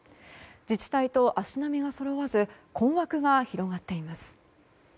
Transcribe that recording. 自治体と足並みがそろわず困惑が広がっています。